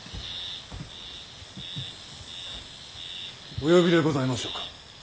お呼びでございましょうか。